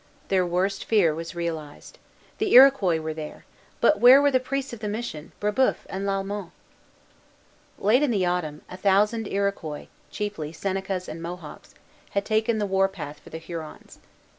Their worst fear was realized. The Iroquois were there; but where were the priests of the mission, Brébeuf and Lalemant? Late in the autumn, a thousand Iroquois, chiefly Senecas and Mohawks, had taken the war path for the Hurons.